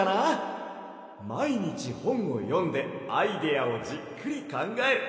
まいにちほんをよんでアイデアをじっくりかんがえる。